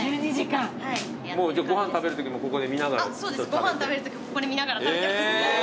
ご飯食べるときもここで見ながら食べてます。